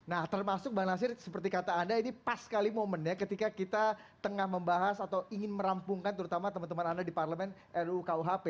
nah termasuk bang nasir seperti kata anda ini pas sekali momen ya ketika kita tengah membahas atau ingin merampungkan terutama teman teman anda di parlemen rukuhp